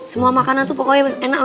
semua makanan itu pokoknya enak